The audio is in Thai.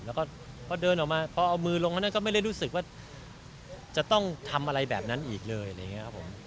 แล้วก็พอเดินออกมาพอเอามือลงอันนั้นก็ไม่ได้รู้สึกว่าจะต้องทำอะไรแบบนั้นอีกเลยอะไรอย่างนี้ครับผม